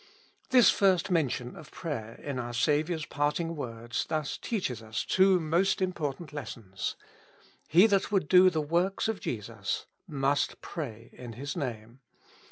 This first mention of prayer in our Saviour's parting words thus teaches us two most important lessons. He that would do the works of Jesus must pray in His Name.